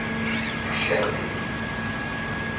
Ccah deg-k.